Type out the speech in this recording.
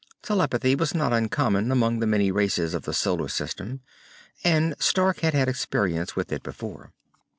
Telepathy was not uncommon among the many races of the Solar System, and Stark had had experience with it before.